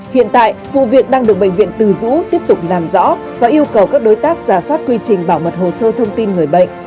hiện tại vụ việc đang được bệnh viện từ dũ tiếp tục làm rõ và yêu cầu các đối tác giả soát quy trình bảo mật hồ sơ thông tin người bệnh